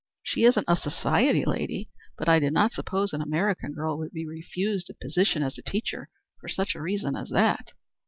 She isn't a society lady, but I did not suppose an American girl would be refused a position as a teacher for such a reason as that."